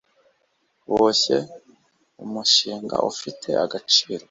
boshye umushinga ufite agaciro